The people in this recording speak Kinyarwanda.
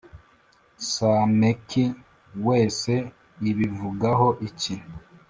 Sameki wese ibivugaho iki